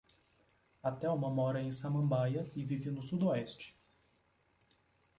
A Telma mora em Samambaia e vive no Sudoeste.